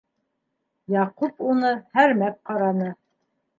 Яҡуп уны һәрмәп ҡараны.